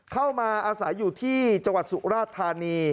เข้ามาอาศัยอยู่ที่จังหวัดสุราธานี